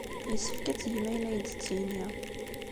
Yessefk ad tgem akken ay d-tettini.